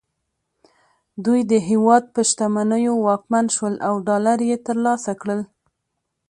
دوی د هېواد په شتمنیو واکمن شول او ډالر یې ترلاسه کړل